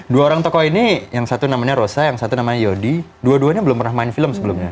dua orang tokoh ini yang satu namanya rosa yang satu namanya yodi dua duanya belum pernah main film sebelumnya